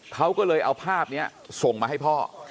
เขาก็เลยเอาภาพนี้ส่งมาให้พ่อ